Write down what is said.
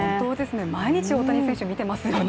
毎日大谷選手見てますよね。